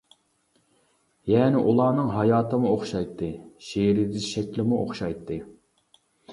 يەنى ئۇلارنىڭ ھاياتىمۇ ئوخشايتتى، شېئىر يېزىش شەكلىمۇ ئوخشايتتى.